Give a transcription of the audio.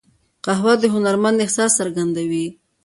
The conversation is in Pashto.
قهوه د هنرمند احساس څرګندوي